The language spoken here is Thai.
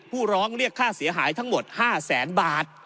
ผู้ร้องเรียกค่าเสียหายทั้งหมด๕แสนบาท